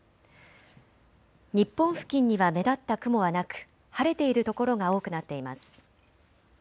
日本付近には目立った雲はなく晴れている所が多くなっています。